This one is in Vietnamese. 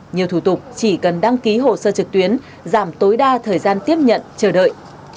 nhiều thủ tục chỉ cần đăng ký hồ sơ trực tuyến giảm tối đa thời gian tiếp nhận chờ đợi